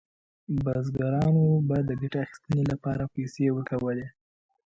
بزګرانو به د ګټې اخیستنې لپاره پیسې ورکولې.